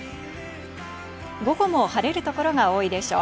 午後も晴れる所が多いでしょう。